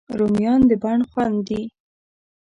رومیان د بڼ خوند دي